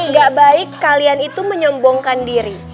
gak baik kalian itu menyombongkan diri